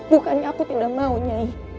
bukannya aku tidak mau nyai